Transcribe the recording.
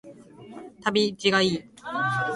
旅路がいい